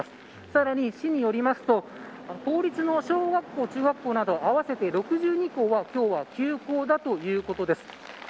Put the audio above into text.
さらに、市によりますと公立の小学校中学校など合わせて６２校は今日は休校だということです。